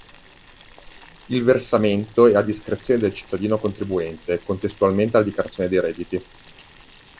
Il versamento è a discrezione del cittadino-contribuente, contestualmente alla dichiarazione dei redditi.